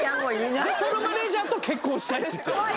そのマネージャーと結婚したいって言ってる。